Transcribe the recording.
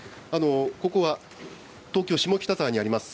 ここは東京・下北沢にあります